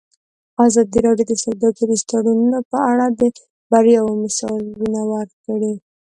ازادي راډیو د سوداګریز تړونونه په اړه د بریاوو مثالونه ورکړي.